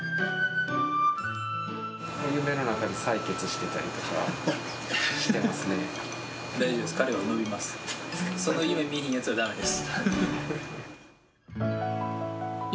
夢の中で採血してたりとかし大丈夫です。